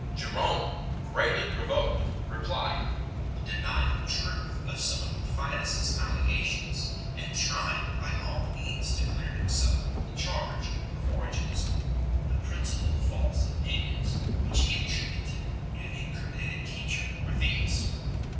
Je rome, greatly provoked, replied 1 , denying the truth of some of Rufinus s allegations, and trying by all means to clear himself of the charge of Origenism. The principal false opinions which he attributed to the incriminated teacher were these.